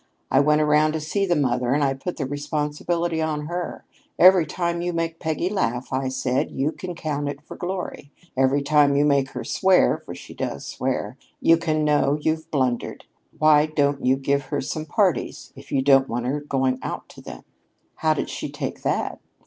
I went around to see the mother and I put the responsibility on her. 'Every time you make Peggy laugh,' I said, 'you can count it for glory. Every time you make her swear, for she does swear, you can know you've blundered. Why don't you give her some parties if you don't want her to be going out to them?'" "How did she take that?"